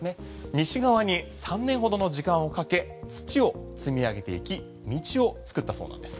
西側に３年ほどの時間をかけ土を積み上げていき道を作ったそうなんです。